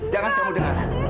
jangan kamu dengar